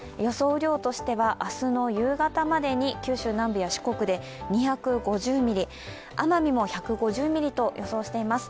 雨量としては明日の夕方までに九州南部や四国で２５０ミリ奄美も１５０ミリと予想しています。